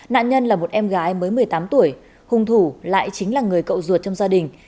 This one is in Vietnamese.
nạn nhân là một em gái mới một mươi tám tuổi hung thủ lại chính là người cậu ruột trong gia đình